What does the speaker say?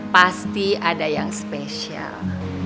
pasti ada yang spesial